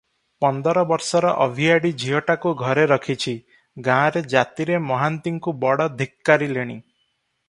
ପନ୍ଦର ବର୍ଷର ଅଭିଆଡ଼ୀ ଝିଅଟାକୁ ଘରେ ରଖିଛି, ଗାଁରେ ଜାତିରେ ମହାନ୍ତିଙ୍କୁ ବଡ଼ ଧିକାରିଲେଣି ।